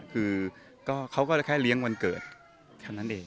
คือเขาก็แค่เลี้ยงวันเกิดเท่านั้นเอง